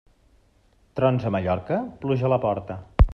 Trons a Mallorca, pluja a la porta.